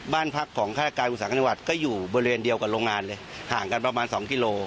บ้านพักของฆ่าศาสตร์อังกฤษฐาธิวัดก็อยู่บริเวณเดียวกับโรงงานเลยห่างกันประมาณสองกิโล